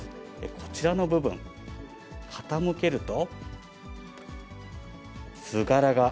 こちらの部分、傾けると。